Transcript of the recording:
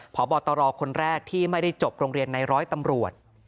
พบตรคนแรกที่ไม่ได้จบโรงเรียนในร้อยตำรวจ